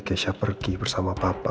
keisha pergi bersama papa